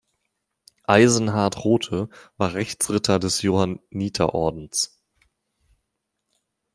Eisenhart-Rothe war Rechtsritter des Johanniterordens.